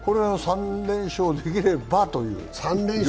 これ３連勝できればという。